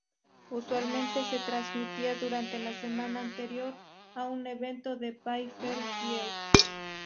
Usualmente se transmitía durante la semana anterior a un evento de pay-per-view.